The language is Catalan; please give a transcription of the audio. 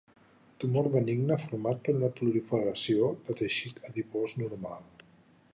Tumor benigne format per una proliferació de teixit adipós normal.